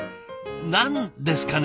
何ですかね？